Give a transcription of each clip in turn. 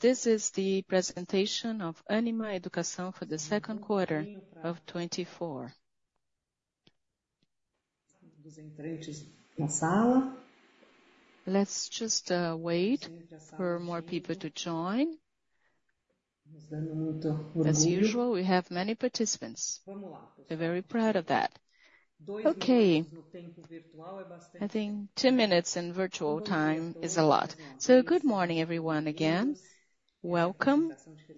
This is the presentation of Ânima Educação for the second quarter of 2024. Let's just wait for more people to join. As usual, we have many participants. We're very proud of that. Okay, I think two minutes in virtual time is a lot. So good morning, everyone, again. Welcome.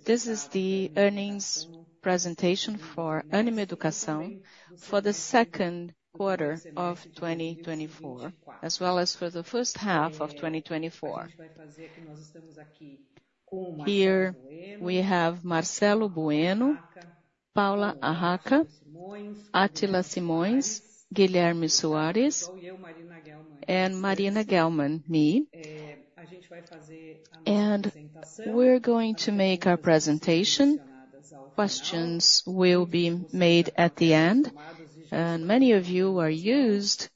This is the earnings presentation for Ânima Educação for the second quarter of 2024, as well as for the first half of 2024. Here we have Marcelo Bueno, Paula Harraca, Átila Simões, Guilherme Soárez, and Marina Gelman, me. And we're going to make our presentation. Questions will be made at the end, and many of you who are used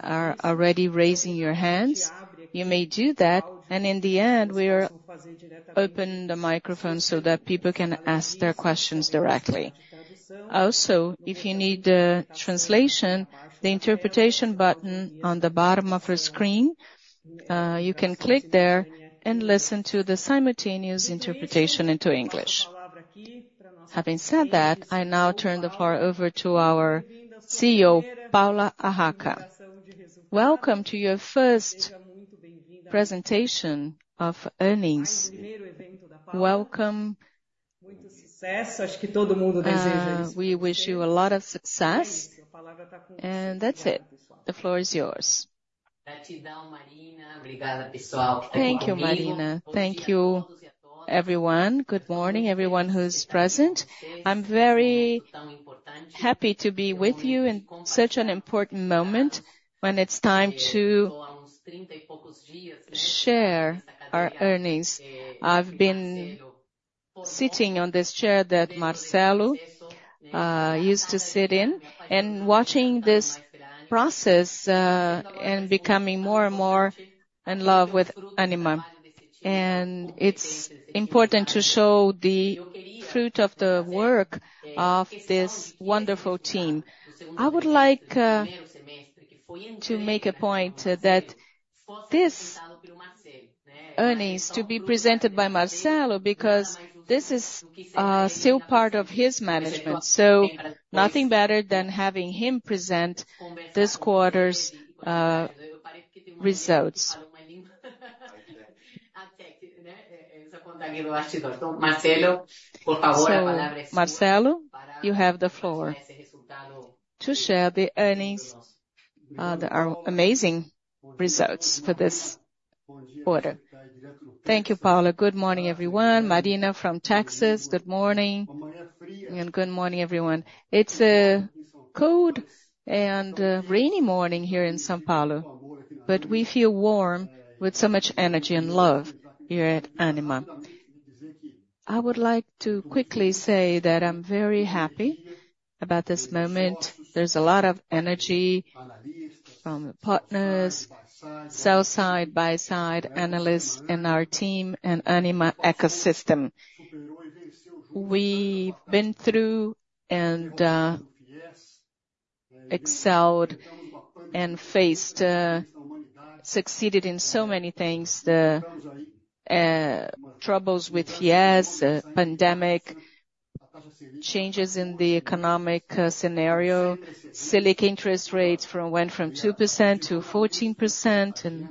are already raising your hands. You may do that, and in the end, we'll open the microphone so that people can ask their questions directly. Also, if you need translation, the interpretation button on the bottom of your screen, you can click there and listen to the simultaneous interpretation into English. Having said that, I now turn the floor over to our CEO, Paula Harraca. Welcome to your first presentation of earnings. Welcome. We wish you a lot of success, and that's it. The floor is yours. Thank you, Marina. Thank you, everyone. Good morning, everyone who's present. I'm very happy to be with you in such an important moment when it's time to share our earnings. I've been sitting on this chair that Marcelo used to sit in and watching this process and becoming more and more in love with Ânima. And it's important to show the fruit of the work of this wonderful team. I would like to make a point that this earnings to be presented by Marcelo, because this is still part of his management, so nothing better than having him present this quarter's results. So Marcelo, you have the floor to share the earnings that are amazing results for this quarter. Thank you, Paula. Good morning, everyone. Marina, from Texas, good morning, and good morning, everyone. It's a cold and rainy morning here in São Paulo, but we feel warm with so much energy and love here at Ânima. I would like to quickly say that I'm very happy about this moment. There's a lot of energy from the partners, sell-side, buy-side, analysts in our team and Ânima ecosystem. We've been through and excelled and faced succeeded in so many things, the troubles with yes, pandemic, changes in the economic scenario, Selic interest rates went from 2% to 14% and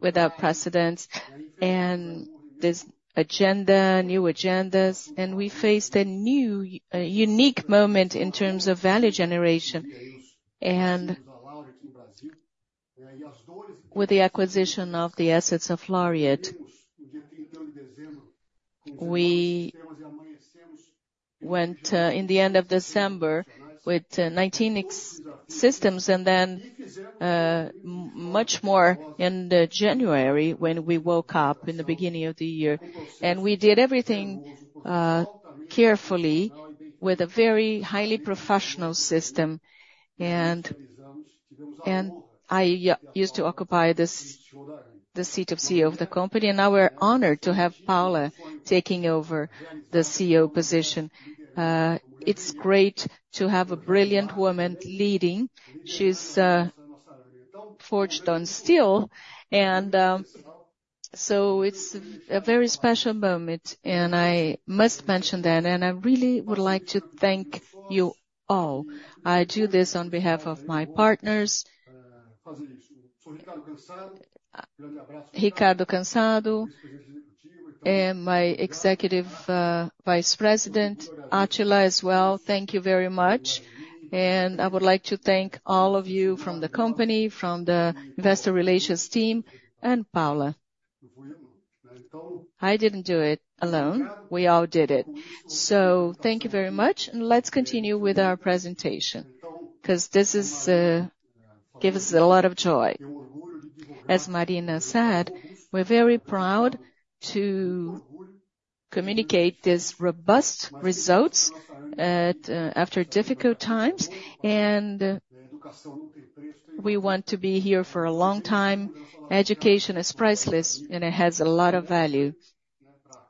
without precedent, and this agenda, new agendas, and we faced a new unique moment in terms of value generation. And with the acquisition of the assets of Laureate, we went in the end of December with 19 ex- systems, and then much more in the January, when we woke up in the beginning of the year. And we did everything carefully, with a very highly professional system. And I used to occupy this, the seat of CEO of the company, and now we're honored to have Paula taking over the CEO position. It's great to have a brilliant woman leading. She's forged on steel, and so it's a very special moment, and I must mention that. And I really would like to thank you all. I do this on behalf of my partners, Ricardo Cançado, and my executive vice president, Átila, as well. Thank you very much. And I would like to thank all of you from the company, from the investor relations team, and Paula. I didn't do it alone. We all did it. So thank you very much, and let's continue with our presentation, 'cause this gives us a lot of joy. As Marina said, we're very proud to communicate these robust results after difficult times, and we want to be here for a long time. Education is priceless, and it has a lot of value.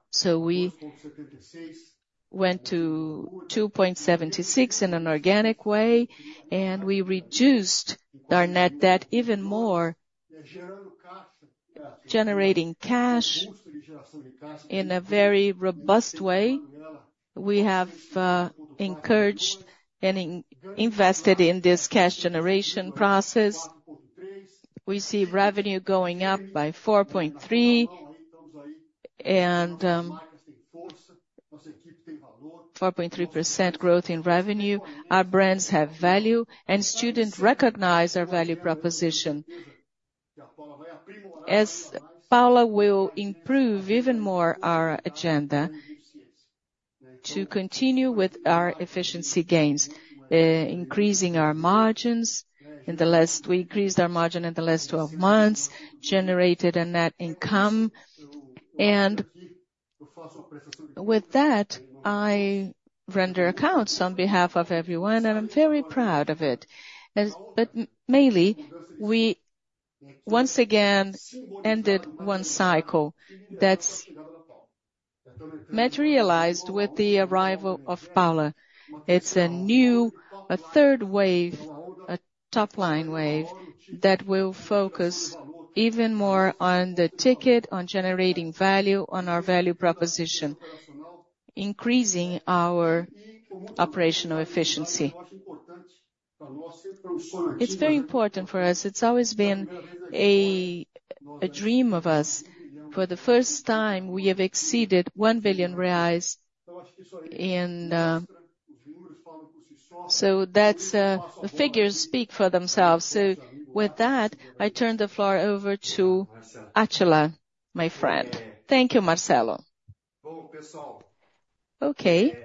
So we went to 2.76x in an organic way, and we reduced our net debt even more, generating cash in a very robust way. We have encouraged and invested in this cash generation process. We see revenue going up by 4.3%, and 4.3% growth in revenue. Our brands have value, and students recognize our value proposition. As Paula will improve even more our agenda to continue with our efficiency gains, increasing our margins. In the last 12 months, we increased our margin, generated a net income. And with that, I render accounts on behalf of everyone, and I'm very proud of it. But mainly, we once again ended one cycle that's materialized with the arrival of Paula. It's a new third wave, a top-line wave, that will focus even more on the ticket, on generating value, on our value proposition, increasing our operational efficiency. It's very important for us. It's always been a dream of us. For the first time, we have exceeded 1 billion reais in. So that's the figures speak for themselves. So with that, I turn the floor over to Átila, my friend. Thank you, Marcelo. Okay.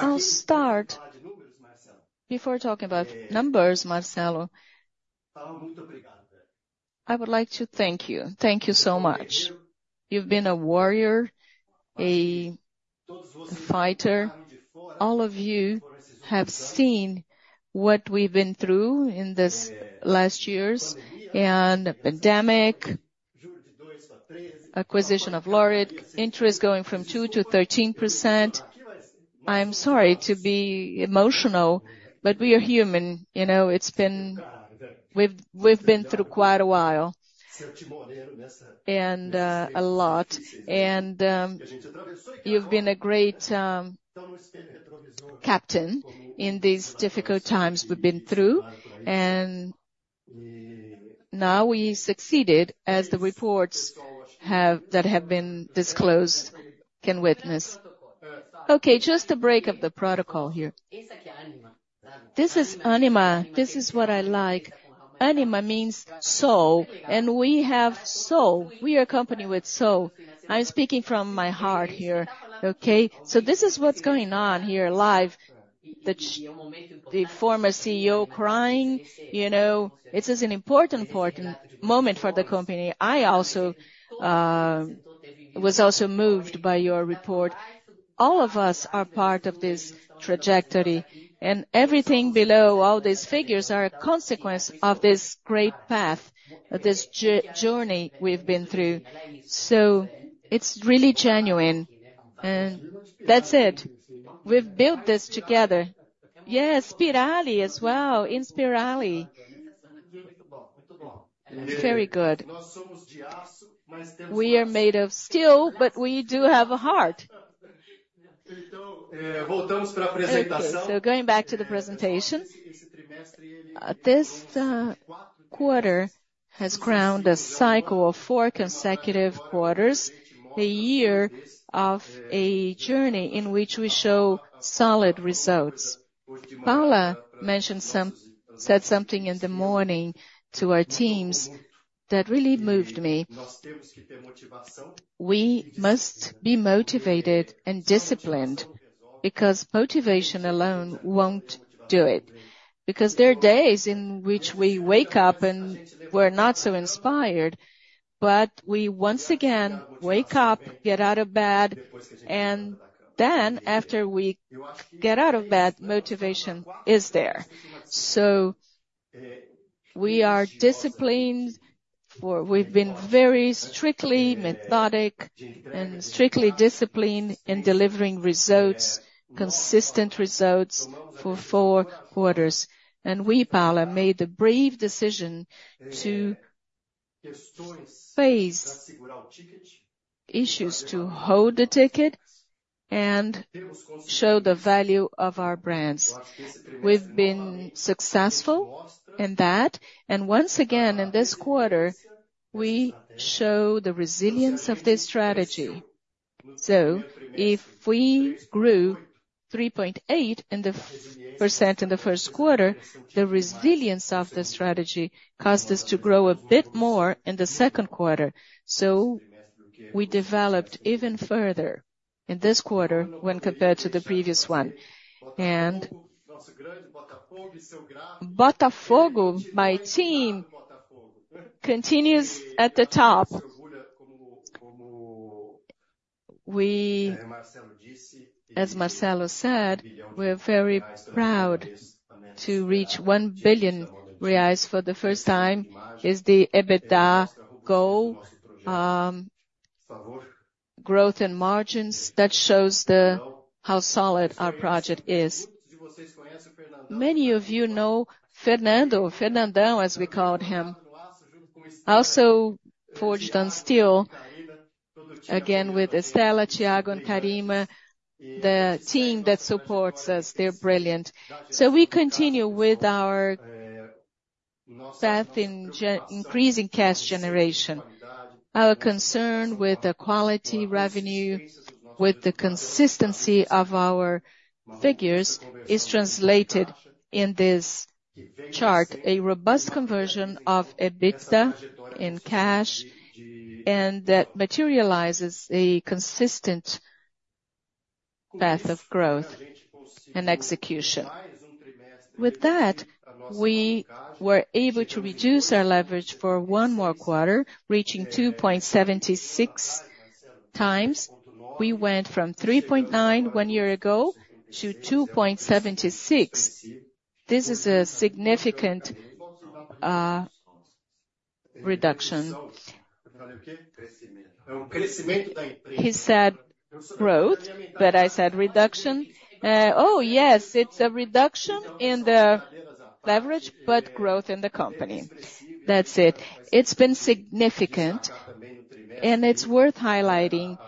I'll start. Before talking about numbers, Marcelo, I would like to thank you. Thank you so much. You've been a warrior, a fighter. All of you have seen what we've been through in these last years, and the pandemic, acquisition of Laureate, interest going from 2% to 13%. I'm sorry to be emotional, but we are human, you know. It's been. We've been through quite a while and a lot. You've been a great captain in these difficult times we've been through, and now we succeeded, as the reports that have been disclosed can witness. Okay, just to break up the protocol here. This is Ânima. This is what I like. Ânima means soul, and we have soul. We are a company with soul. I'm speaking from my heart here, okay? So this is what's going on here live. The former CEO crying, you know, this is an important, important moment for the company. I also was also moved by your report. All of us are part of this trajectory, and everything below, all these figures, are a consequence of this great path, of this journey we've been through. So it's really genuine, and that's it. We've built this together. Yes, Inspirali as well, in Inspirali. Very good. We are made of steel, but we do have a heart. Okay, so going back to the presentation. This quarter has crowned a cycle of four consecutive quarters, a year of a journey in which we show solid results. Paula said something in the morning to our teams that really moved me. We must be motivated and disciplined, because motivation alone won't do it. Because there are days in which we wake up, and we're not so inspired, but we once again wake up, get out of bed, and then, after we get out of bed, motivation is there. So we are disciplined, for we've been very strictly methodic and strictly disciplined in delivering results, consistent results, for four quarters. And we, Paula, made the brave decision to face issues to hold the ticket and show the value of our brands. We've been successful in that, and once again, in this quarter, we show the resilience of this strategy. So if we grew 3.8% in the first quarter, the resilience of the strategy caused us to grow a bit more in the second quarter. So we developed even further in this quarter when compared to the previous one. Botafogo, my team, continues at the top. We, as Marcelo said, we're very proud to reach 1 billion reais for the first time, is the EBITDA goal, growth and margins. That shows how solid our project is. Many of you know Fernando, Fernandao, as we called him, also forged on steel, again, with Estela, Thiago, and Karima, the team that supports us, they're brilliant. So we continue with our path in increasing cash generation. Our concern with the quality revenue, with the consistency of our figures, is translated in this chart, a robust conversion of EBITDA in cash, and that materializes a consistent path of growth and execution. With that, we were able to reduce our leverage for one more quarter, reaching 2.76x. We went from 3.91x year ago, to 2.76x. This is a significant reduction. He said growth, but I said reduction. Oh, yes, it's a reduction in the leverage, but growth in the company. That's it. It's been significant, and it's worth highlighting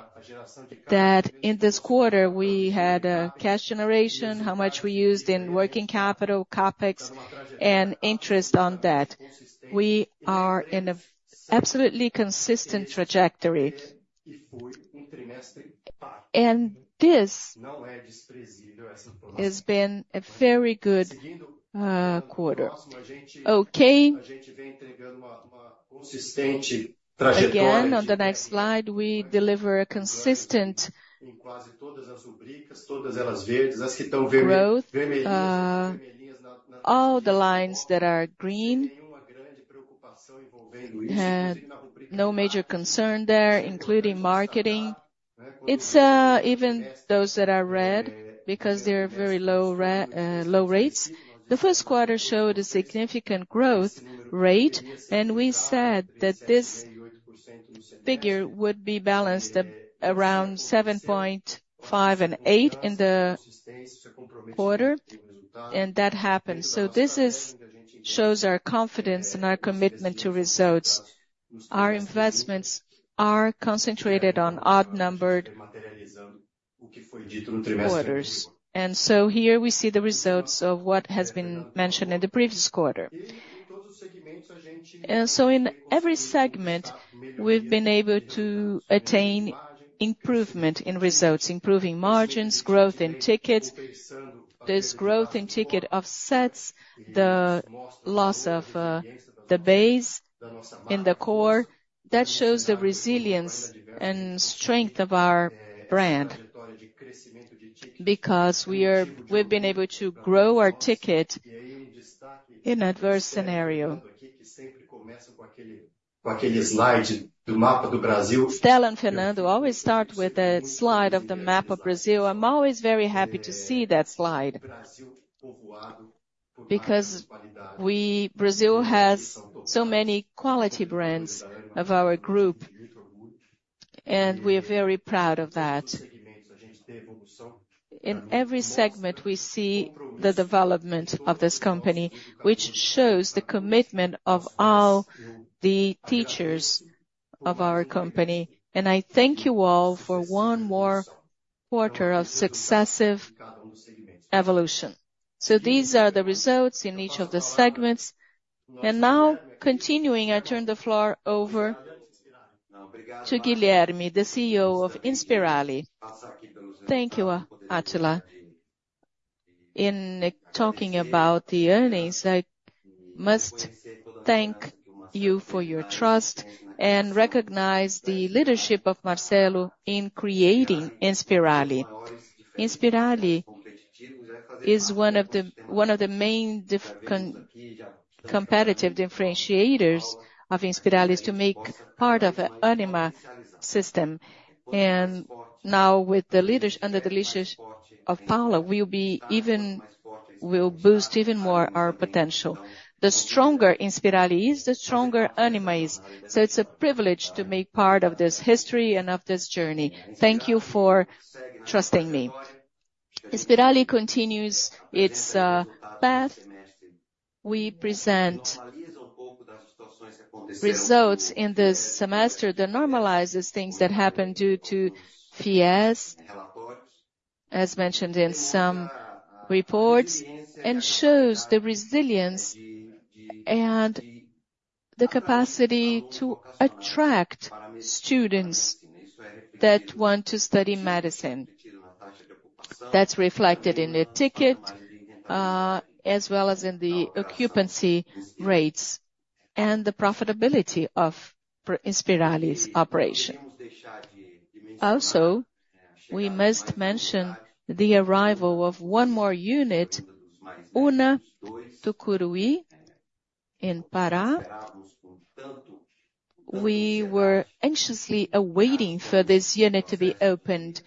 that in this quarter, we had a cash generation, how much we used in working capital, CapEx, and interest on debt. We are in a absolutely consistent trajectory. And this has been a very good quarter. Okay. Again, on the next slide, we deliver a consistent growth. All the lines that are green had no major concern there, including marketing. It's even those that are red because they're very low rates. The first quarter showed a significant growth rate, and we said that this figure would be balanced at around 7.5 and 8 in the quarter, and that happened. So this shows our confidence and our commitment to results. Our investments are concentrated on odd-numbered quarters. So here we see the results of what has been mentioned in the previous quarter. So in every segment, we've been able to attain improvement in results, improving margins, growth in tickets. This growth in ticket offsets the loss of the base in the core. That shows the resilience and strength of our brand, because we've been able to grow our ticket in adverse scenario. Estela and Fernando always start with a slide of the map of Brazil. I'm always very happy to see that slide. Because we—Brazil has so many quality brands of our group, and we are very proud of that. In every segment, we see the development of this company, which shows the commitment of all the teachers of our company. I thank you all for one more quarter of successive evolution. These are the results in each of the segments. Now, continuing, I turn the floor over to Guilherme, the CEO of Inspirali. Thank you, Átila. In talking about the earnings, I must thank you for your trust and recognize the leadership of Marcelo in creating Inspirali. Inspirali is one of the main competitive differentiators of Inspirali, is to make part of an Ânima system. And now, with the leaders under the leadership of Paula, we'll boost even more our potential. The stronger Inspirali is, the stronger Ânima is. So it's a privilege to make part of this history and of this journey. Thank you for trusting me. Inspirali continues its path. We present results in this semester that normalizes things that happened due to Fies, as mentioned in some reports, and shows the resilience and the capacity to attract students that want to study medicine. That's reflected in the ticket, as well as in the occupancy rates and the profitability of Inspirali's operation. Also, we must mention the arrival of one more unit, Una Tucuruí, in Pará. We were anxiously awaiting for this unit to be opened,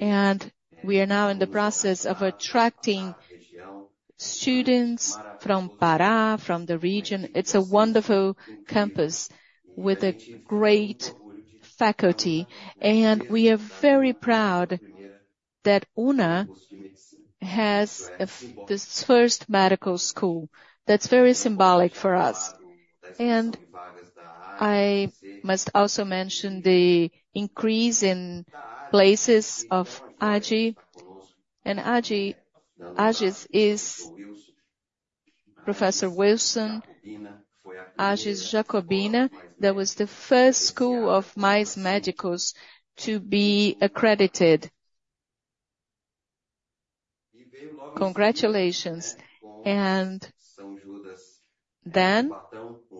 and we are now in the process of attracting students from Pará, from the region. It's a wonderful campus with a great faculty, and we are very proud that Una has a, this first medical school. That's very symbolic for us. I must also mention the increase in places of Ages. And Ages is Professor Wilson Ages Jacobina. That was the first school of Mais Médicos to be accredited. Congratulations! Then,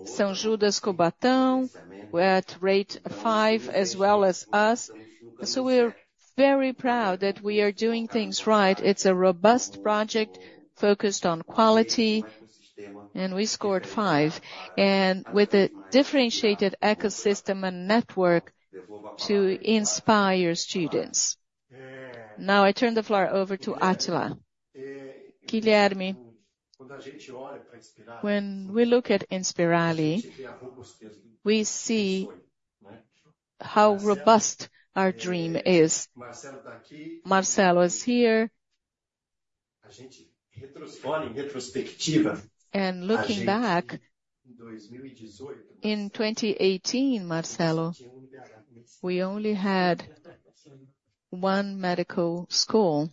São Judas Cubatão, we're at rate five, as well as us. So we're very proud that we are doing things right. It's a robust project focused on quality, and we scored five, and with a differentiated ecosystem and network to inspire students. Now, I turn the floor over to Átila. Guilherme, when we look at Inspirali, we see how robust our dream is. Marcelo is here. And looking back in 2018, Marcelo, we only had one medical school.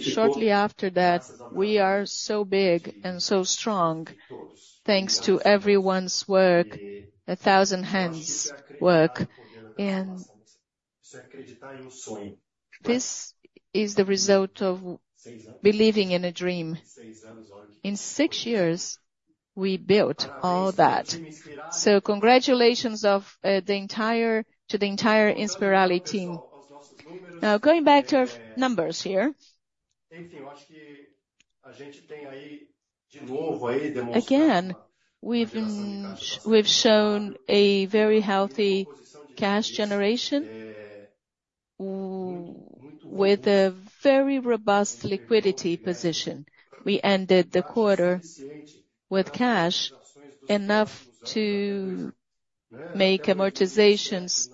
Shortly after that, we are so big and so strong, thanks to everyone's work, a thousand hands work. And this is the result of believing in a dream. In six years, we built all that. So congratulations to the entire Inspirali team. Now, going back to our numbers here. Again, we've shown a very healthy cash generation with a very robust liquidity position. We ended the quarter with cash, enough to make amortizations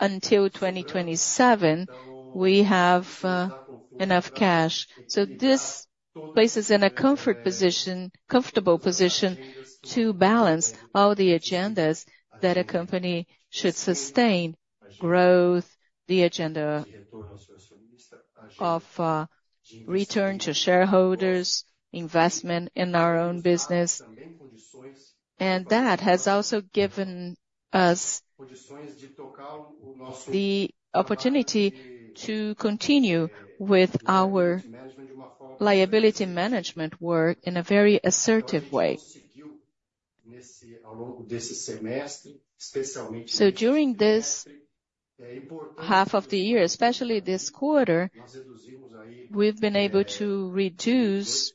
until 2027. We have enough cash. So this places us in a comfortable position to balance all the agendas that a company should sustain, growth, the agenda of return to shareholders, investment in our own business. And that has also given us the opportunity to continue with our liability management work in a very assertive way. During this half of the year, especially this quarter, we've been able to reduce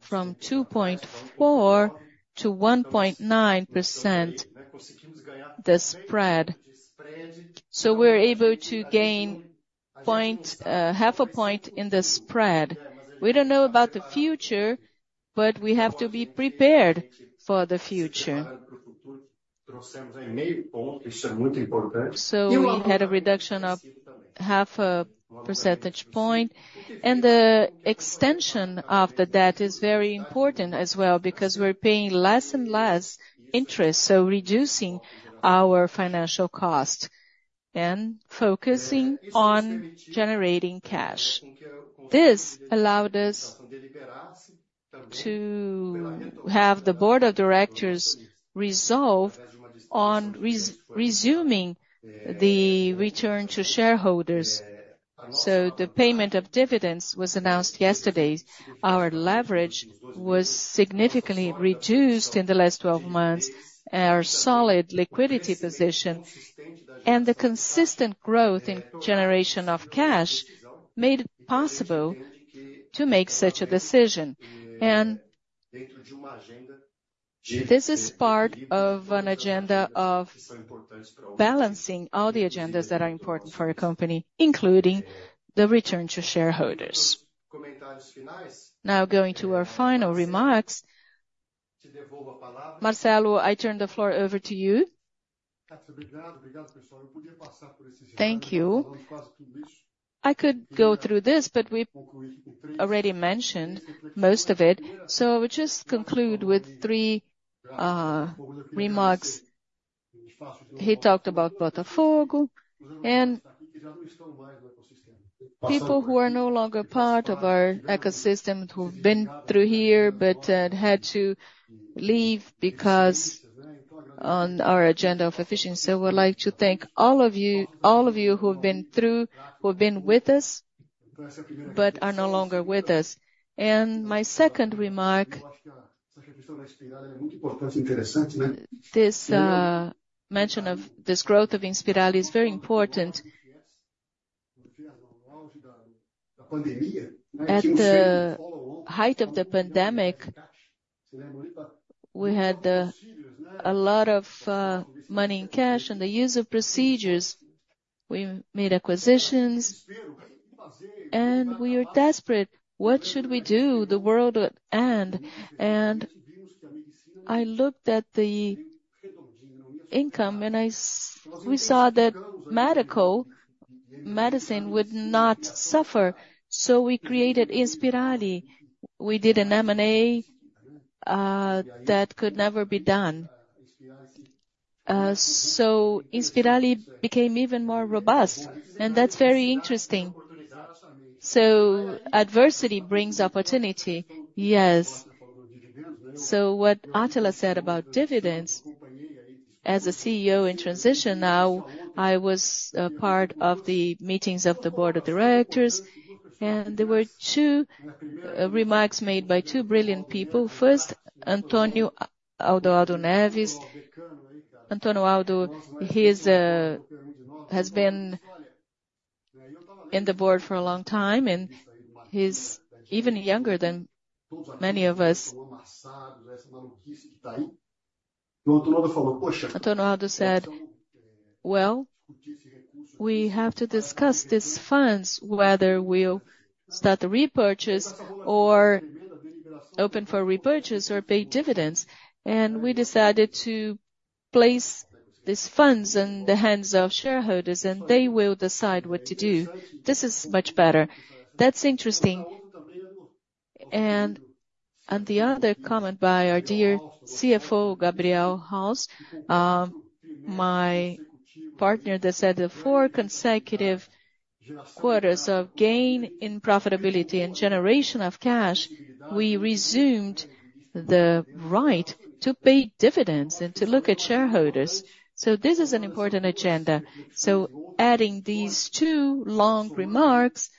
from 2.4% to 1.9% the spread. We're able to gain half a point in the spread. We don't know about the future, but we have to be prepared for the future. We had a reduction of half a percentage point, and the extension of the debt is very important as well, because we're paying less and less interest, so reducing our financial cost and focusing on generating cash. This allowed us to have the board of directors resolve on resuming the return to shareholders. The payment of dividends was announced yesterday. Our leverage was significantly reduced in the last 12 months, and our solid liquidity position, and the consistent growth in generation of cash, made it possible to make such a decision. This is part of an agenda of balancing all the agendas that are important for a company, including the return to shareholders. Now, going to our final remarks. Marcelo, I turn the floor over to you. Thank you. I could go through this, but we've already mentioned most of it, so I would just conclude with three remarks. He talked about Botafogo and people who are no longer part of our ecosystem, who've been through here but had to leave because on our agenda of efficiency. So I would like to thank all of you, all of you who have been through, who have been with us but are no longer with us. And my second remark, this mention of this growth of Inspirali is very important. At the height of the pandemic, we had a lot of money in cash and the use of procedures. We made acquisitions, and we are desperate. What should we do? The world would end. And I looked at the income, and we saw that medicine would not suffer, so we created Inspirali. We did an M&A that could never be done. So Inspirali became even more robust, and that's very interesting. So adversity brings opportunity. Yes. So what Átila said about dividends, as a CEO in transition now, I was part of the meetings of the board of directors, and there were two remarks made by two brilliant people. First, Antonoaldo Neves. Antonoaldo Neves, he is has been in the board for a long time, and he's even younger than many of us. Antonoaldo Neves said, "Well, we have to discuss these funds, whether we'll start the repurchase or open for repurchase or pay dividends." And we decided to place these funds in the hands of shareholders, and they will decide what to do. This is much better. That's interesting. And the other comment by our dear CFO, Gabriel Haas, my partner, that said, "The four consecutive quarters of gain in profitability and generation of cash, we resumed the right to pay dividends and to look at shareholders." So this is an important agenda. So adding these two long remarks.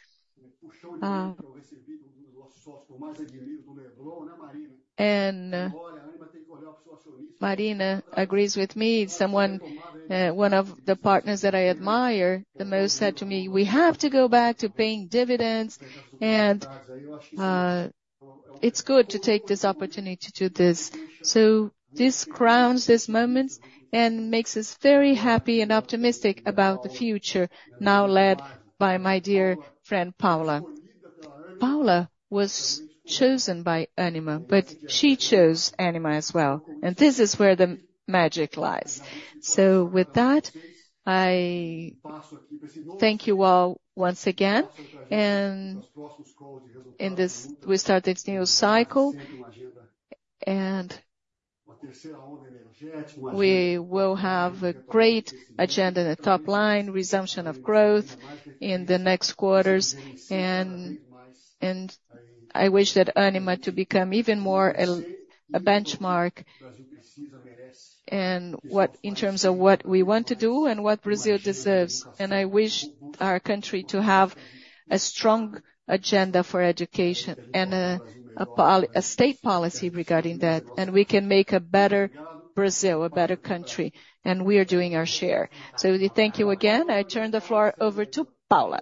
Marina agrees with me. Someone, one of the partners that I admire the most, said to me, "We have to go back to paying dividends, and it's good to take this opportunity to do this." So this crowns this moment and makes us very happy and optimistic about the future, now led by my dear friend, Paula. Paula was chosen by Ânima, but she chose Ânima as well, and this is where the magic lies. So with that, I thank you all once again, and in this, we start this new cycle, and we will have a great agenda in the top line, resumption of growth in the next quarters. And I wish that Ânima to become even more a benchmark, and what in terms of what we want to do and what Brazil deserves. I wish our country to have a strong agenda for education and a state policy regarding that, and we can make a better Brazil, a better country, and we are doing our share. So we thank you again. I turn the floor over to Paula.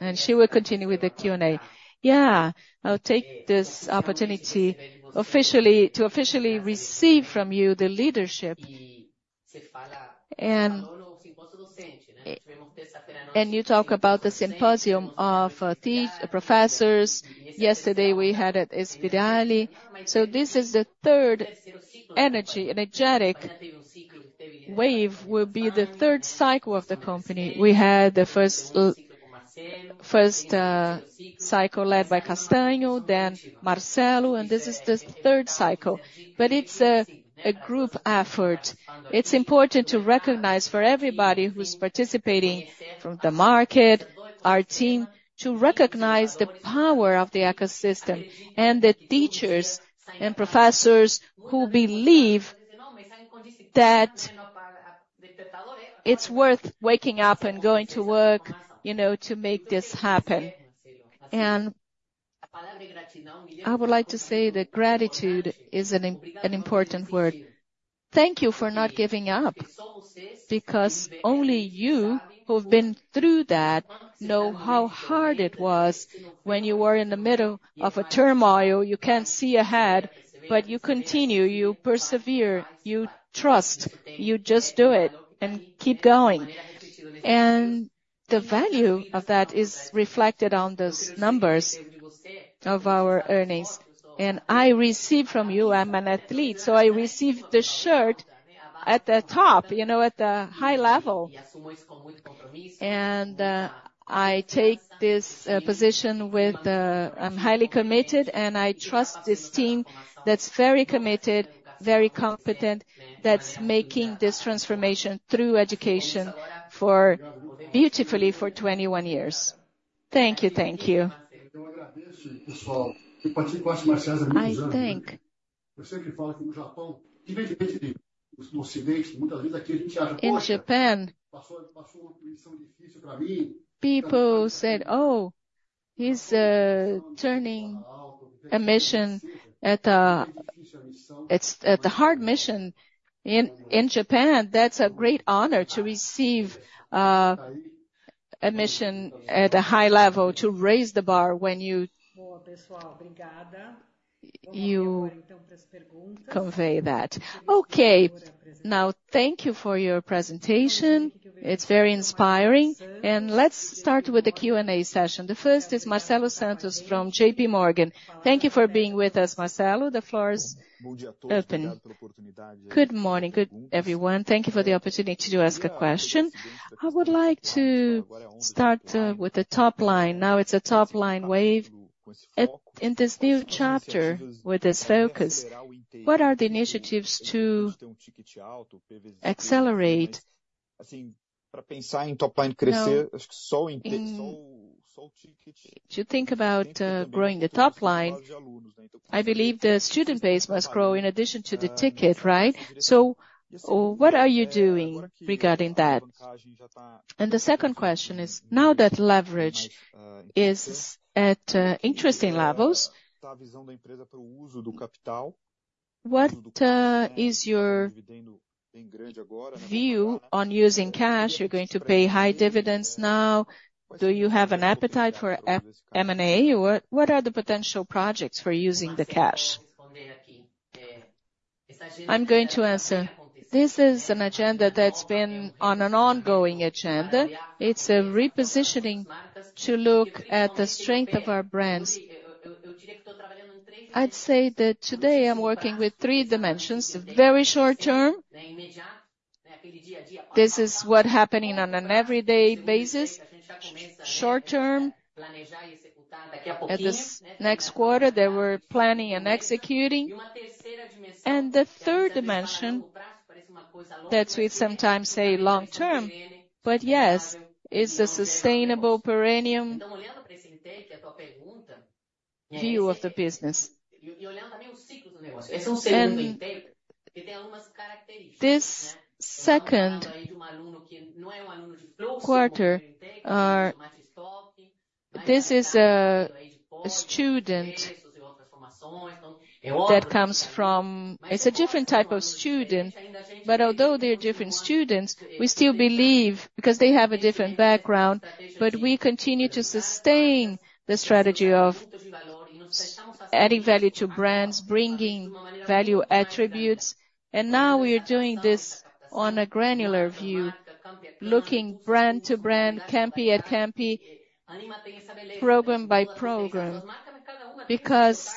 And she will continue with the Q&A. Yeah, I'll take this opportunity officially to officially receive from you the leadership. And you talk about the symposium of professors. Yesterday, we had at Inspirali. So this is the third energy, energetic wave will be the third cycle of the company. We had the first cycle led by Castanho, then Marcelo, and this is the third cycle. But it's a group effort. It's important to recognize for everybody who's participating from the market, our team, to recognize the power of the ecosystem and the teachers and professors who believe that it's worth waking up and going to work, you know, to make this happen. And I would like to say that gratitude is an important word. Thank you for not giving up, because only you who have been through that know how hard it was when you were in the middle of a turmoil. You can't see ahead, but you continue, you persevere, you trust, you just do it and keep going. And the value of that is reflected on those numbers of our earnings. And I received from you, I'm an athlete, so I received the shirt at the top, you know, at the high level. And I take this position with. I'm highly committed, and I trust this team that's very committed, very competent, that's making this transformation through education for beautifully for 21 years. Thank you. Thank you. People say, I practice martial arts for many years, I think, I always say that Japan, differently from the West, many times, here we think, In Japan pass through, pass through a difficult mission for me. People said, "Oh, he's turning a mission it's at a hard mission." In Japan, that's a great honor to receive a mission at a high level, to raise the bar when you good, guys. Thank you. You convey that. Okay. Now, thank you for your presentation. It's very inspiring, and let's start with the Q&A session. The first is Marcelo Santos from JPMorgan. Thank you for being with us, Marcelo. The floor is open. Good morning, everyone. Thank you for the opportunity to ask a question. I would like to start with the top line. Now, it's a top-line wave. In this new chapter, with this focus, what are the initiatives to accelerate? Now, to think about growing the top line, I believe the student base must grow in addition to the ticket, right? So what are you doing regarding that? And the second question is, now that leverage is at interesting levels, what is your view on using cash? You're going to pay high dividends now. Do you have an appetite for M&A, or what are the potential projects for using the cash? I'm going to answer. This is an agenda that's been on an ongoing agenda. It's a repositioning to look at the strength of our brands. I'd say that today I'm working with three dimensions, very short term. This is what's happening on an everyday basis. Short term, at this next quarter, they were planning on executing. And the third dimension, that we sometimes say long term, but yes, it's a sustainable perennial view of the business. And this second quarter, this is a student that comes from. It's a different type of student. But although they're different students, we still believe because they have a different background, but we continue to sustain the strategy of adding value to brands, bringing value attributes. Now we are doing this on a granular view, looking brand to brand, campus by campus, program by program. Because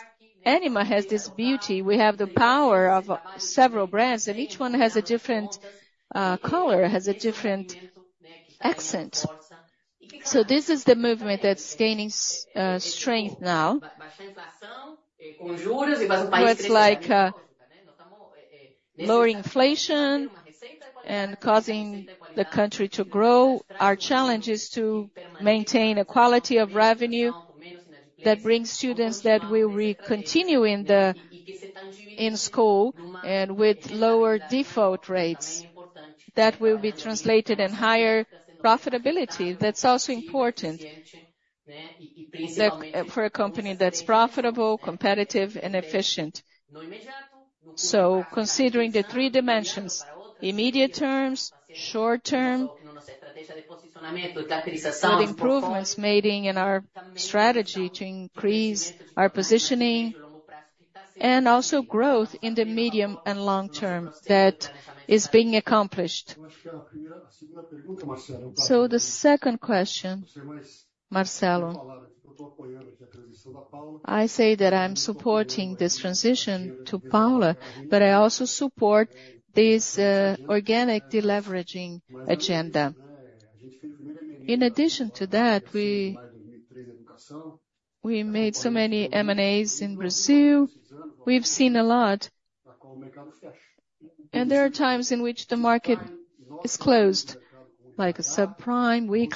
Ânima has this beauty. We have the power of several brands, and each one has a different color, has a different accent. So this is the movement that's gaining strength now. But it's like a lower inflation and causing the country to grow. Our challenge is to maintain a quality of revenue that brings students that will continue in the school and with lower default rates, that will be translated in higher profitability. That's also important for a company that's profitable, competitive, and efficient. So considering the three dimensions, immediate terms, short term, and improvements made in our strategy to increase our positioning, and also growth in the medium and long term, that is being accomplished. The second question, Marcelo. I say that I'm supporting this transition to Paula, but I also support this organic deleveraging agenda. In addition to that, we made so many M&As in Brazil. We've seen a lot, and there are times in which the market is closed, like a sub-prime. We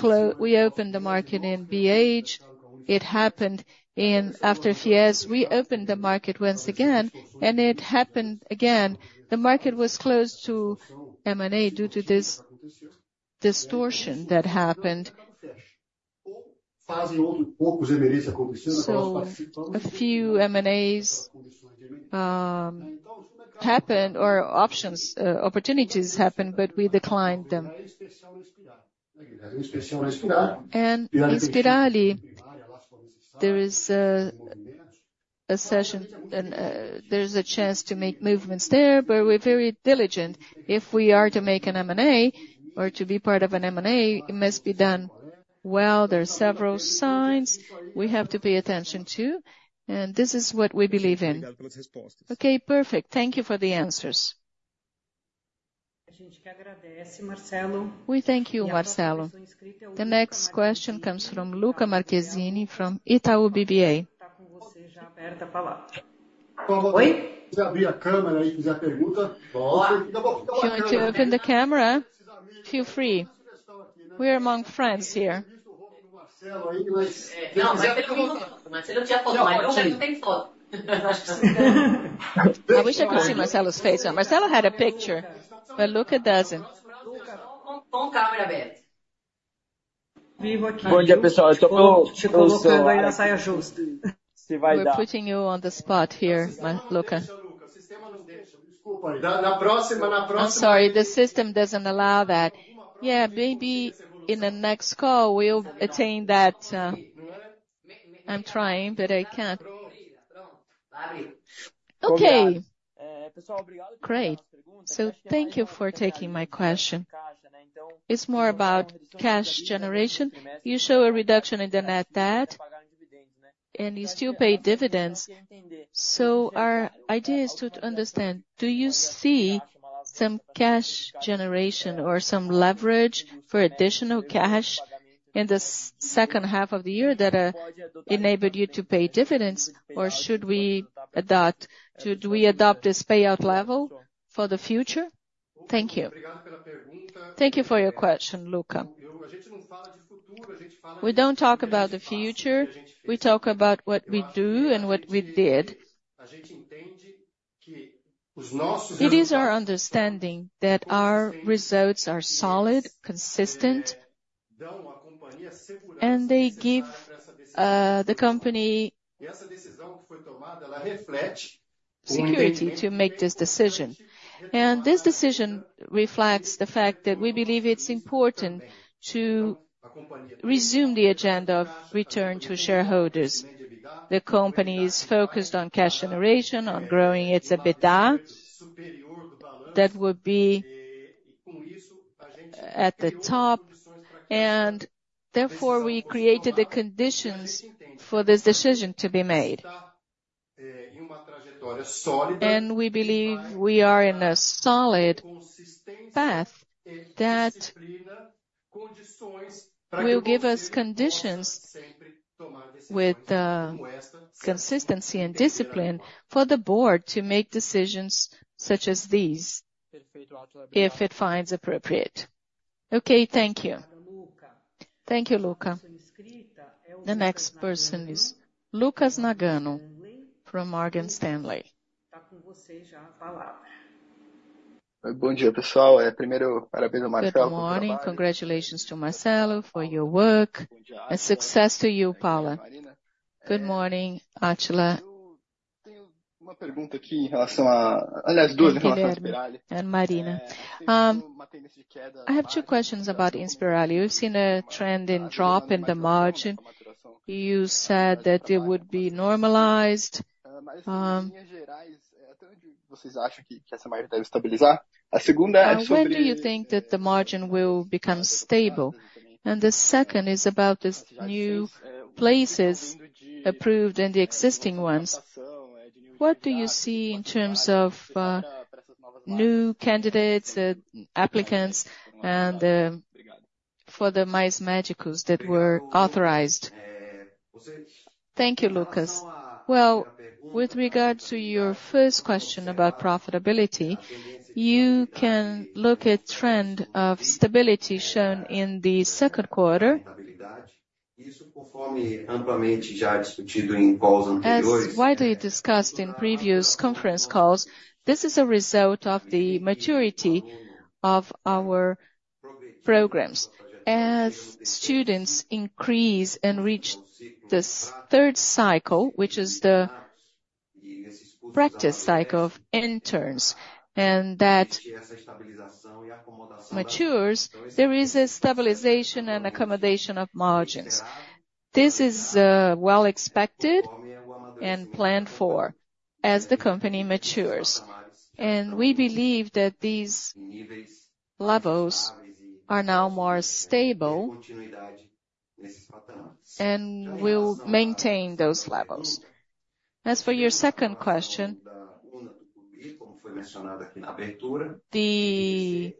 opened the market in BH. It happened after Fies, we opened the market once again, and it happened again. The market was closed to M&A due to this distortion that happened. So a few M&As happened or options, opportunities happened, but we declined them. And in Inspirali, there is a session and, there's a chance to make movements there, but we're very diligent. If we are to make an M&A or to be part of an M&A, it must be done well. There are several signs we have to pay attention to, and this is what we believe in. Okay, perfect. Thank you for the answers. We thank you, Marcelo. The next question comes from Luca Marchesini, from Itaú BBA. With you already, open the floor. If you want to open the camera and ask the question. If you want to open the camera, feel free. We are among friends here. I wish I could see Marcelo's face on. Marcelo had a picture, but Luca doesn't. Good day, people. We're putting you on the spot here, Luca. I'm sorry, the system doesn't allow that. Yeah, maybe in the next call, we'll attain that. I'm trying, but I can't. Okay. Great. So thank you for taking my question. It's more about cash generation. You show a reduction in the net debt, and you still pay dividends. So our idea is to understand, do you see some cash generation or some leverage for additional cash in the second half of the year that enabled you to pay dividends, or should we adopt this payout level for the future? Thank you. Thank you for your question, Luca. We don't talk about the future, we talk about what we do and what we did. It is our understanding that our results are solid, consistent, and they give the company security to make this decision. And this decision reflects the fact that we believe it's important to resume the agenda of return to shareholders. The company is focused on cash generation, on growing its EBITDA. That would be at the top, and therefore, we created the conditions for this decision to be made. And we believe we are in a solid path that will give us conditions with consistency and discipline for the board to make decisions such as these, if it finds appropriate. Okay, thank you. Thank you, Luca. The next person is Lucas Nagano from Morgan Stanley. Good morning, congratulations to Marcelo for your work, and success to you, Paula. Good morning, Átila and Marina. I have two questions about Inspirali. We've seen a trend in drop in the margin. You said that it would be normalized, when do you think that the margin will become stable? And the second is about this new places approved and the existing ones. What do you see in terms of, new candidates, applicants, and, for the Mais Médicos that were authorized? Thank you, Lucas. Well, with regard to your first question about profitability, you can look at trend of stability shown in the second quarter. As widely discussed in previous conference calls, this is a result of the maturity of our programs. As students increase and reach this third cycle, which is the practice cycle of interns, and that matures, there is a stabilization and accommodation of margins. This is, well expected and planned for as the company matures, and we believe that these levels are now more stable, and we'll maintain those levels. As for your second question, the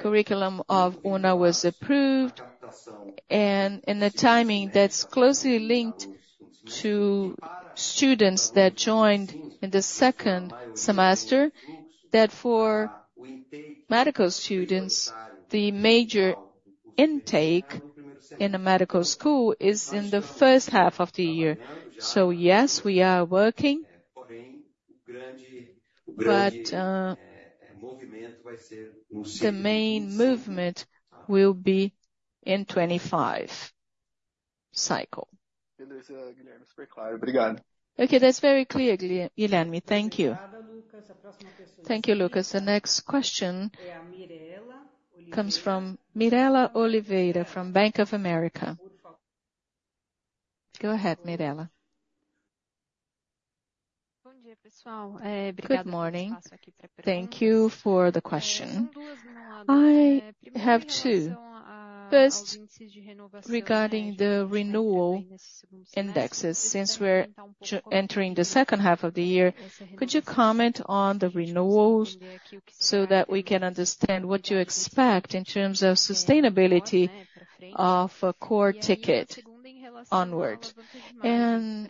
curriculum of Una was approved and the timing that's closely linked to students that joined in the second semester, that for medical students, the major intake in a medical school is in the first half of the year. So yes, we are working, but the main movement will be in 25 cycle. Okay, that's very clear, Guilherme. Thank you. Thank you, Lucas. The next question comes from Mirela Oliveira from Bank of America. Go ahead, Mirela. Good morning. Thank you for the question. I have two. First, regarding the renewal indexes, since we're entering the second half of the year, could you comment on the renewals so that we can understand what you expect in terms of sustainability of a core ticket onward. And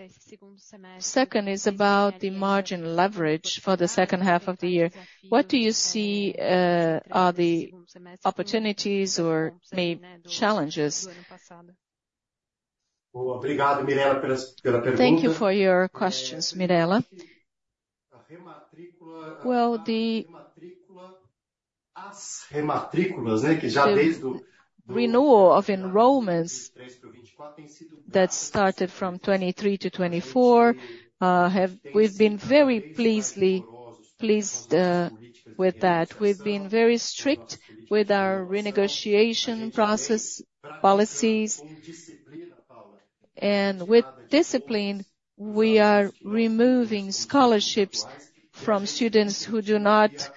second is about the margin leverage for the second half of the year. What do you see are the opportunities or maybe challenges? Thank you for your questions, Mirela. Well, the renewal of enrollments that started from 2023 to 2024, we've been very pleased with that. We've been very strict with our renegotiation process, policies. And with discipline, we are removing scholarships from students who do not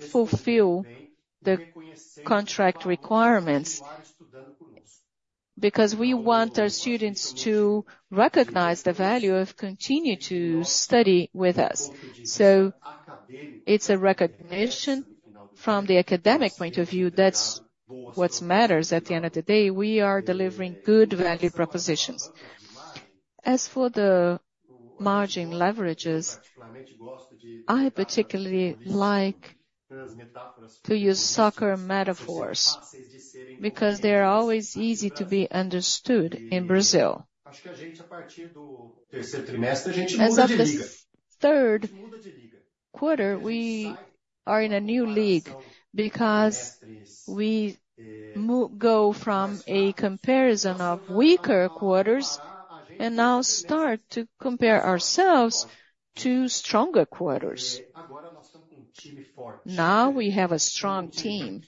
fulfill the contract requirements, because we want our students to recognize the value of continue to study with us. So it's a recognition from the academic point of view, that's what matters. At the end of the day, we are delivering good value propositions. As for the margin leverages, I particularly like to use soccer metaphors, because they are always easy to be understood in Brazil. As of this third quarter, we are in a new league because we go from a comparison of weaker quarters, and now start to compare ourselves to stronger quarters. Now, we have a strong team,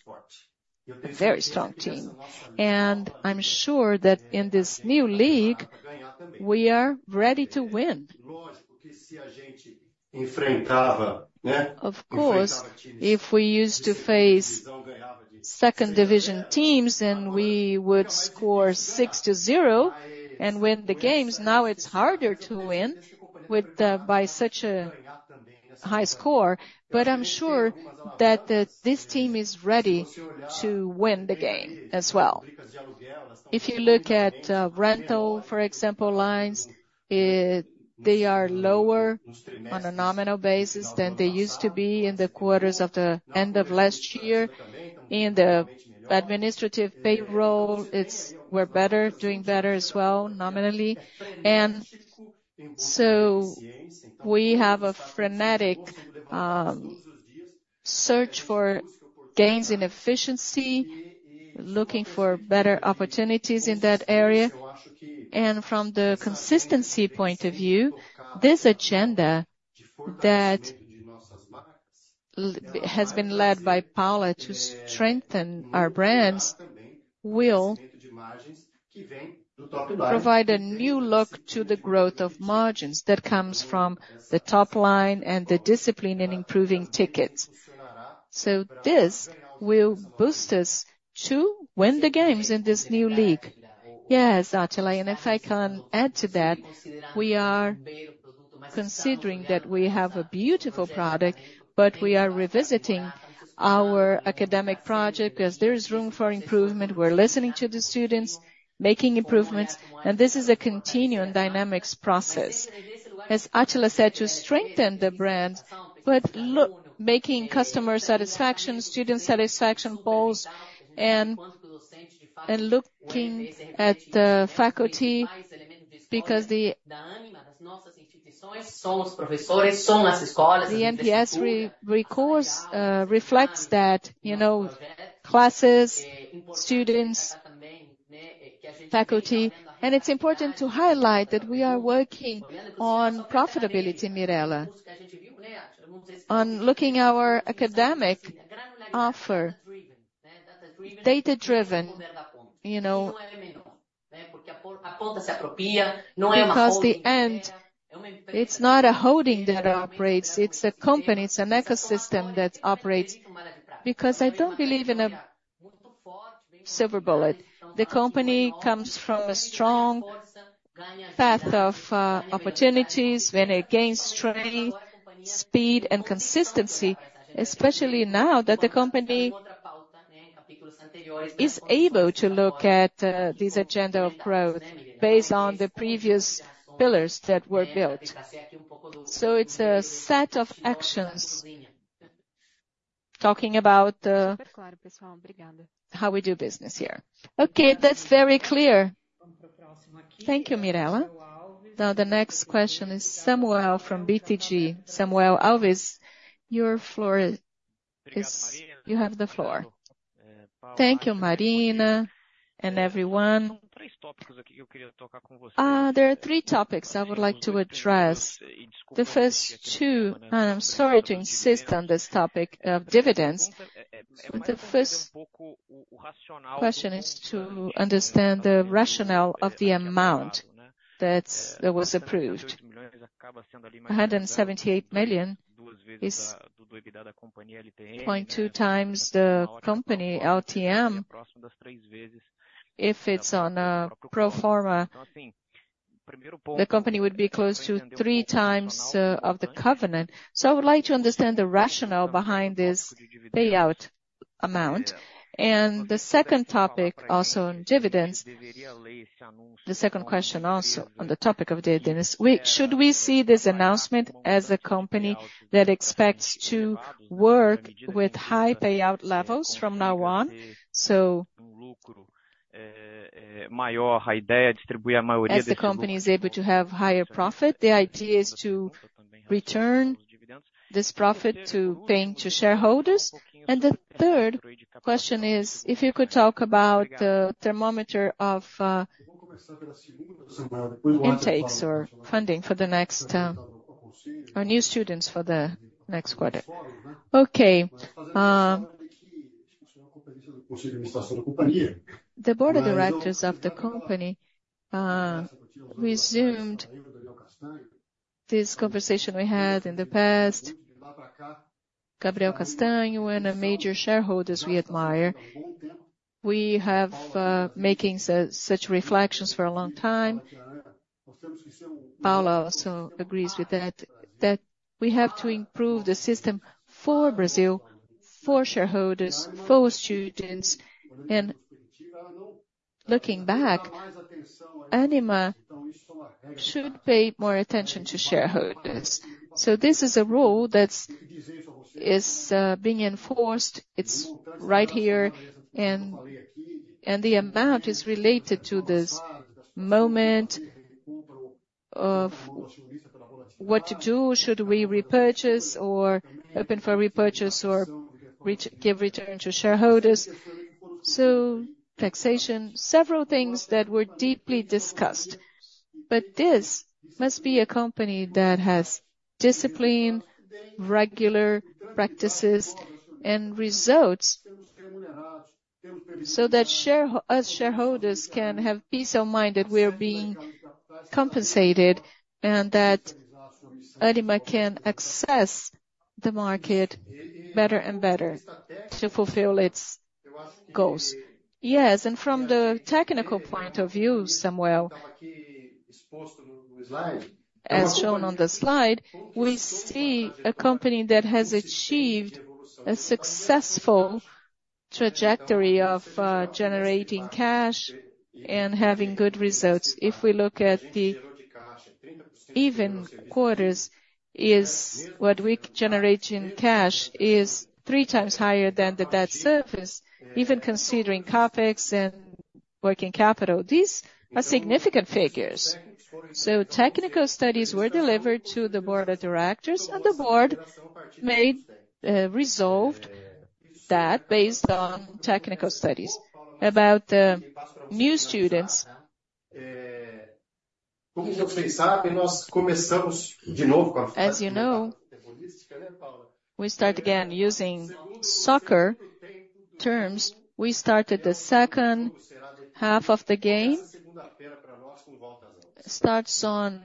a very strong team, and I'm sure that in this new league, we are ready to win. Of course, if we used to face second division teams, and we would score 6-0 and win the games, now it's harder to win with by such a high score. But I'm sure that this team is ready to win the game as well. If you look at rental, for example, lines, they are lower on a nominal basis than they used to be in the quarters of the end of last year. In the administrative payroll, it's, we're better, doing better as well, nominally. And so we have a frenetic search for gains in efficiency, looking for better opportunities in that area. And from the consistency point of view, this agenda that has been led by Paula to strengthen our brands, will provide a new look to the growth of margins that comes from the top line and the discipline in improving tickets. So this will boost us to win the games in this new league. Yes, Átila, and if I can add to that, we are considering that we have a beautiful product, but we are revisiting our academic project because there is room for improvement. We're listening to the students, making improvements, and this is a continuing dynamics process. As Átila said, to strengthen the brand, but look, making customer satisfaction, student satisfaction polls, and looking at the faculty, because the NPS recourse reflects that, you know, classes, students, faculty, and it's important to highlight that we are working on profitability, Mirela. On looking our academic offer, data-driven, you know, because the end, it's not a holding that operates, it's a company, it's an ecosystem that operates, because I don't believe in a silver bullet. The company comes from a strong path of opportunities, when it gains strength, speed, and consistency, especially now that the company is able to look at this agenda of growth based on the previous pillars that were built. So it's a set of actions, talking about how we do business here. Okay, that's very clear. Thank you, Mirela. Now, the next question is Samuel from BTG. Samuel Alves, your floor is-- you have the floor. Thank you, Marina, and everyone. There are three topics I would like to address. The first two, and I'm sorry to insist on this topic of dividends. The first question is to understand the rationale of the amount that's, that was approved. 178 million is 0.2x the company LTM, if it's on a pro forma-... The company would be close to 3x of the covenant. So I would like to understand the rationale behind this payout amount. And the second topic, also on dividends, the second question also on the topic of dividends. Should we see this announcement as a company that expects to work with high payout levels from now on? As the company is able to have higher profit, the idea is to return this profit to paying to shareholders. And the third question is, if you could talk about the thermometer of intakes or funding for the next or new students for the next quarter. Okay, the board of directors of the company resumed this conversation we had in the past, Daniel Castanho, and a major shareholders we admire. We have making such reflections for a long time. Paula also agrees with that, that we have to improve the system for Brazil, for shareholders, for students. And looking back, Ânima should pay more attention to shareholders. So this is a rule that is being enforced. It's right here, and the amount is related to this moment of what to do. Should we repurchase or open for repurchase, or give return to shareholders? So taxation, several things that were deeply discussed. But this must be a company that has discipline, regular practices and results, so that shareholders can have peace of mind that we're being compensated, and that Ânima can access the market better and better to fulfill its goals. Yes, and from the technical point of view, Samuel, as shown on the slide, we see a company that has achieved a successful trajectory of, generating cash and having good results. If we look at the even quarters, what we generate in cash is 3x higher than the debt service, even considering CapEx and working capital. These are significant figures. So technical studies were delivered to the board of directors, and the board made, resolved that based on technical studies. About the new students, as you know, we start again using soccer terms. We started the second half of the game. Starts on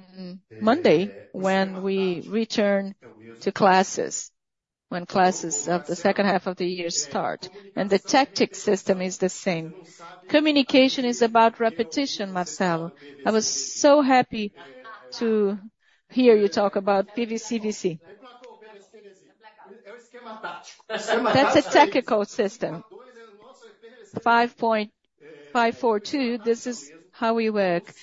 Monday, when we return to classes, when classes of the second half of the year start, and the tactic system is the same. Communication is about repetition, Marcelo. I was so happy to hear you talk about PVCVC. That's a technical system, 5.542, this is how we work.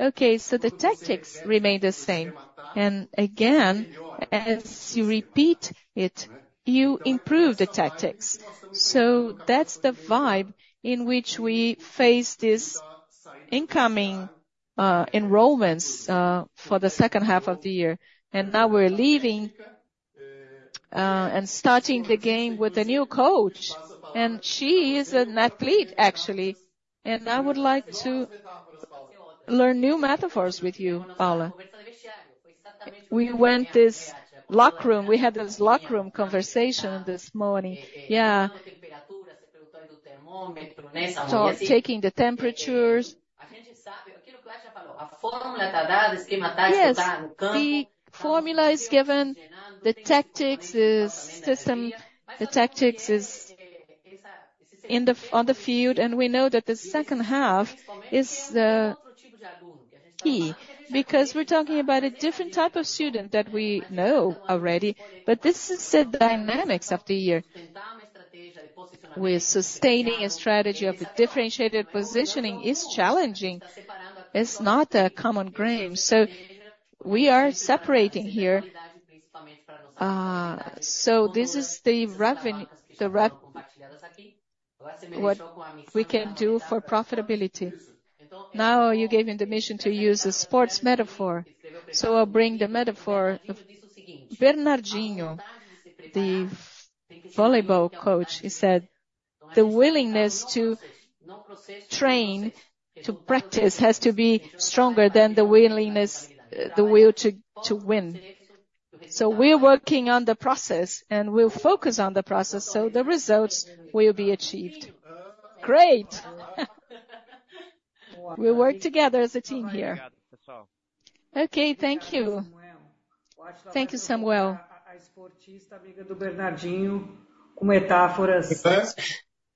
Okay, so the tactics remain the same. And again, as you repeat it, you improve the tactics. So that's the vibe in which we face this incoming enrollments for the second half of the year. And now we're leaving and starting the game with a new coach, and she is an athlete, actually. And I would like to learn new metaphors with you, Paula. We went to this locker room—we had this locker room conversation this morning. Yeah. So taking the temperatures. Yes, the formula is given, the tactics, the system, the tactics is in the—on the field, and we know that the second half is key, because we're talking about a different type of student that we know already. But this is the dynamics of the year. We're sustaining a strategy of a differentiated positioning is challenging, it's not a common ground. So we are separating here. So this is the revenue, the—what we can do for profitability. Now, you gave me the mission to use a sports metaphor, so I'll bring the metaphor. Bernardinho, the volleyball coach, he said: "The willingness to train, to practice, has to be stronger than the willingness, the will to win." So we're working on the process, and we'll focus on the process, so the results will be achieved. Great! We work together as a team here. Okay, thank you. Thank you, Samuel.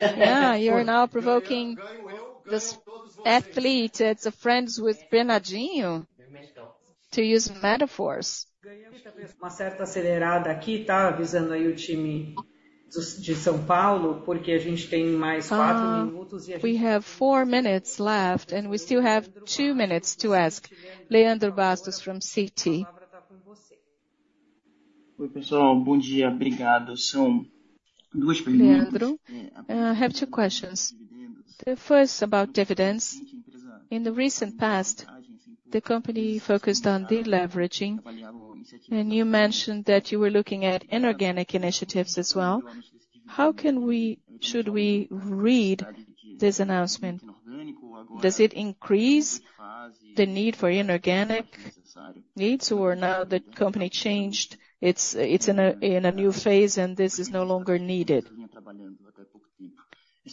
Yeah, you are now provoking this athlete that's friends with Bernardinho to use metaphors. We have 4 minutes left, and we still have two minutes to ask. Leandro Bastos from Citi. Leandro, I have two questions. The first, about dividends. In the recent past, the company focused on de-leveraging, and you mentioned that you were looking at inorganic initiatives as well. How can we-should we read this announcement? Does it increase the need for inorganic needs, or now the company changed, it's in a new phase and this is no longer needed?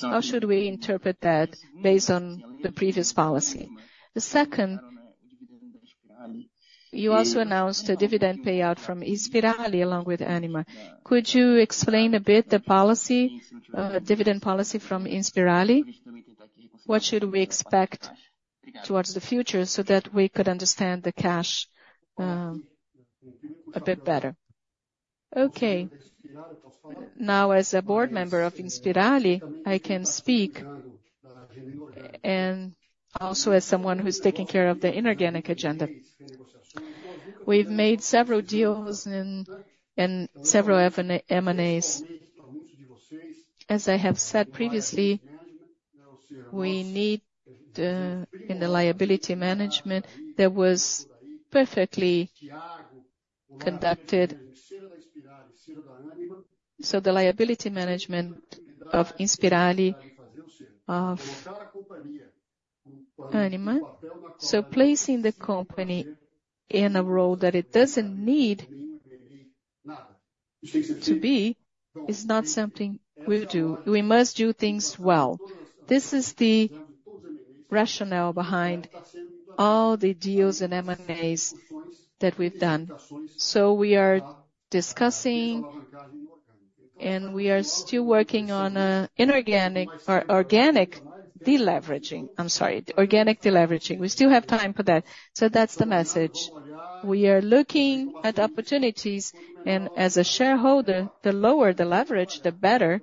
How should we interpret that based on the previous policy? The second, you also announced a dividend payout from Inspirali, along with Ânima. Could you explain a bit the policy, dividend policy from Inspirali? What should we expect towards the future so that we could understand the cash a bit better? Okay. Now, as a board member of Inspirali, I can speak, and also as someone who's taking care of the inorganic agenda. We've made several deals and several M&As. As I have said previously, we need in the liability management, that was perfectly conducted. So the liability management of Inspirali, of Ânima, so placing the company in a role that it doesn't need to be, is not something we'll do. We must do things well. This is the rationale behind all the deals and M&As that we've done. So we are discussing, and we are still working on, inorganic or organic de-leveraging. I'm sorry, organic de-leveraging. We still have time for that, so that's the message. We are looking at opportunities, and as a shareholder, the lower the leverage, the better.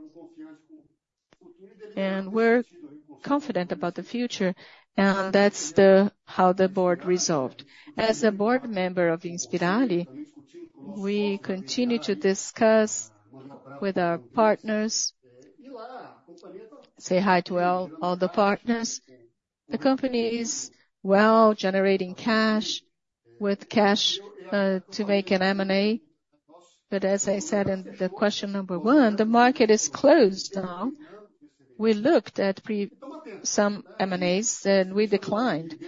And we're confident about the future, and that's the how the board resolved. As a board member of Inspirali, we continue to discuss with our partners. Say hi to all, all the partners. The company is well, generating cash, with cash to make an M&A. But as I said in the question number one, the market is closed now. We looked at some M&As, and we declined.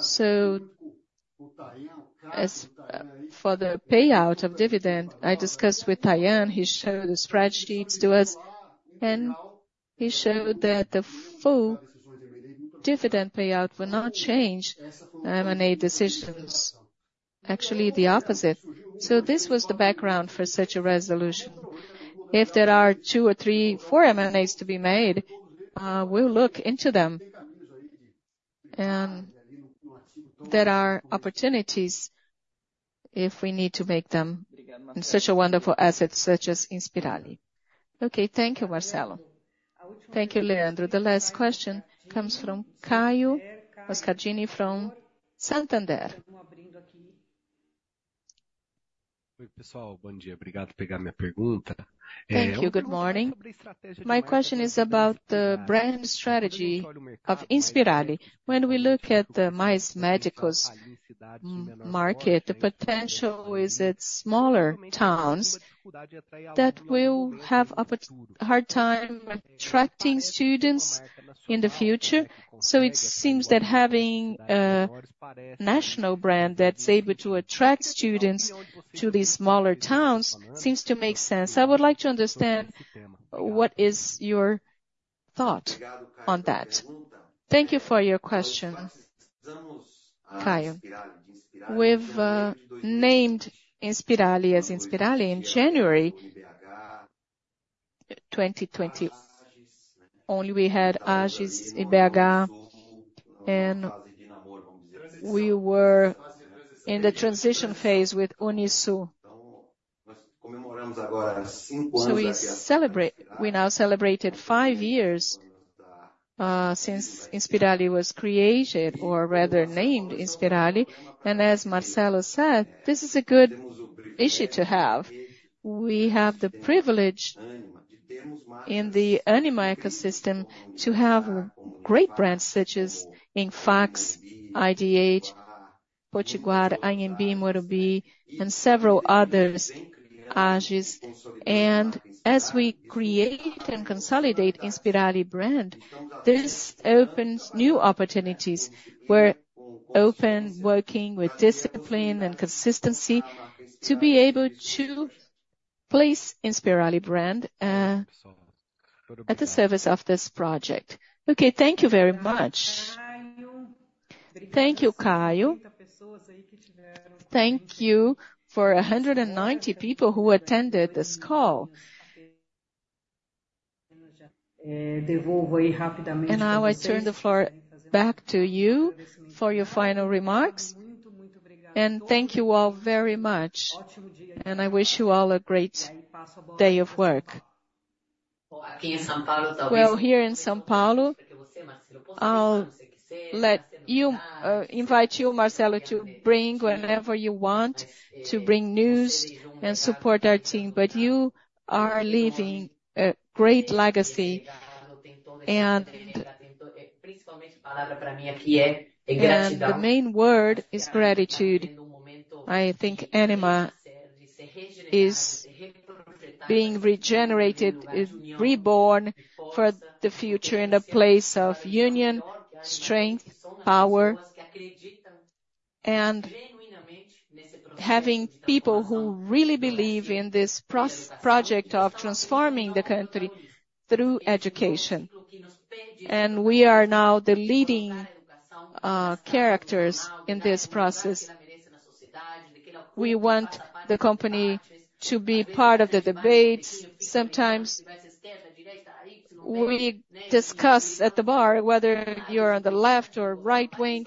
So as for the payout of dividend, I discussed with Taian, he showed the spreadsheets to us, and he showed that the full dividend payout would not change M&A decisions. Actually, the opposite. So this was the background for such a resolution. If there are two or three, four M&As to be made, we'll look into them. And there are opportunities if we need to make them in such a wonderful asset, such as Inspirali. Okay, thank you, Marcelo. Thank you, Leandro. The last question comes from Caio Moscardini, from Santander. Thank you. Good morning. My question is about the brand strategy of Inspirali. When we look at the Mais Médicos market, the potential is at smaller towns that will have a hard time attracting students in the future. So it seems that having a national brand that's able to attract students to these smaller towns seems to make sense. I would like to understand, what is your thought on that? Thank you for your question, Caio. We've named Inspirali as Inspirali in January 2020. Only we had Ages, IBGA, and we were in the transition phase with UniSul. So we now celebrated five years since Inspirali was created, or rather, named Inspirali. And as Marcelo said, this is a good issue to have. We have the privilege in the Ânima ecosystem to have great brands, such as UNIFACS, IDH, Potiguar, Anhembi Morumbi, and several others, Ages. As we create and consolidate Inspirali brand, this opens new opportunities. We're open, working with discipline and consistency to be able to place Inspirali brand at the service of this project. Okay, thank you very much. Thank you, Caio. Thank you for 190 people who attended this call. Now I turn the floor back to you for your final remarks. And thank you all very much, and I wish you all a great day of work. Well, here in São Paulo, I'll let you invite you, Marcelo, to bring whatever you want, to bring news and support our team. But you are leaving a great legacy, and, and the main word is gratitude. I think Ânima is being regenerated, is reborn for the future in a place of union, strength, power, and having people who really believe in this project of transforming the country through education. We are now the leading characters in this process. We want the company to be part of the debates. Sometimes we discuss at the bar whether you're on the left or right wing.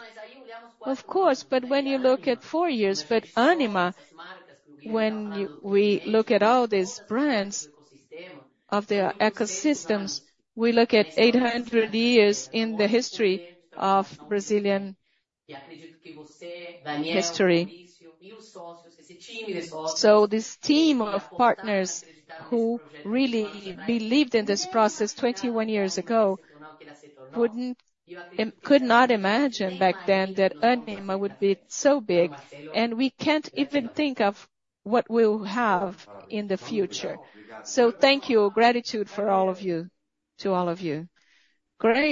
Of course, but when you look at four years, but Ânima, when we look at all these brands of their ecosystems, we look at 800 years in the history of Brazilian history. So this team of partners who really believed in this process 21 years ago, wouldn't, could not imagine back then that Ânima would be so big, and we can't even think of what we'll have in the future. So thank you. Gratitude for all of you, to all of you.